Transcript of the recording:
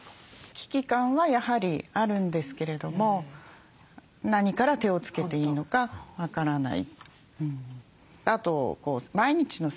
危機感はやはりあるんですけれども何から手をつけていいのか分からない。